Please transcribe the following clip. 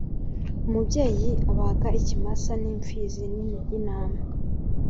umubyeyi abaga ikimasa n’ imfizi y’intama